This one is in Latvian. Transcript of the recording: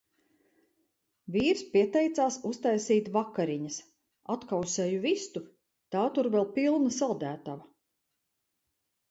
Vīrs pieteicās uztaisīt vakariņas. Atkausēju vistu, tā tur vēl pilna saldētava.